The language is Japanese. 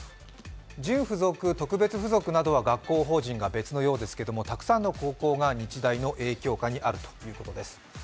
準付属、特別付属などは学校法人が別のようですがたくさんの高校が日大の影響下にあるということです